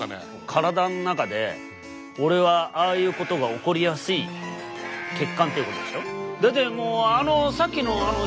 体の中で俺はああいうことが起こりやすい血管っていうことでしょ？